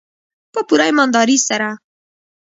په پوره ایمانداري سره.